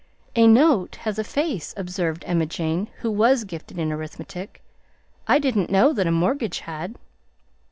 "A note has a 'face,'" observed Emma Jane, who was gifted in arithmetic. "I didn't know that a mortgage had."